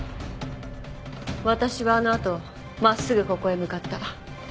私はあの後真っすぐここへ向かった。